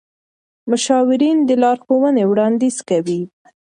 مشاورین د لارښوونې وړاندیز کوي.